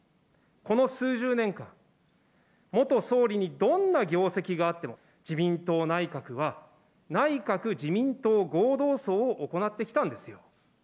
この数十年間、元総理にどんな業績があっても、自民党内閣は、内閣・自民党合同葬を行ってきたんですよ。